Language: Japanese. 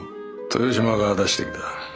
豊島が出してきた。